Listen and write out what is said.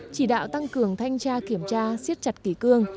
chỉ đạo tăng cường thanh tra kiểm tra siết chặt kỷ cương